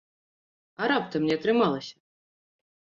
А раптам не атрымалася?